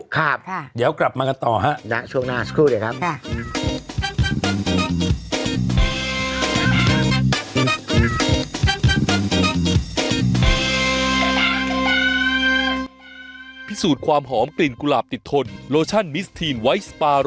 ครับเดี๋ยวกลับมากันต่อฮะณช่วงหน้าสักครู่เดี๋ยวครับ